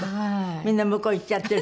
みんな向こう行っちゃってる。